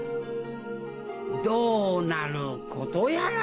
どうなることやら